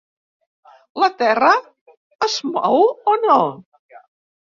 ¿La Terra es mou o no?